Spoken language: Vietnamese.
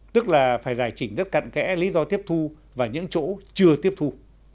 tức là phải giải trình rất cận kẽ lý do tiếp thu và những chỗ chưa tiếp thu